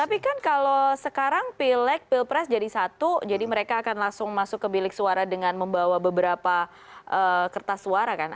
tapi kan kalau sekarang pilek pilpres jadi satu jadi mereka akan langsung masuk ke bilik suara dengan membawa beberapa kertas suara kan